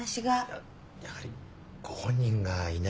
やはりご本人がいないことには。